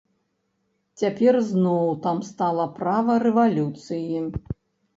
Цяпер зноў там стала права рэвалюцыі.